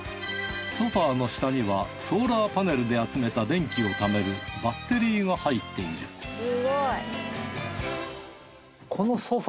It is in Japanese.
ソファーの下にはソーラーパネルで集めた電気を貯めるバッテリーが入っているいやふわふわでしょ？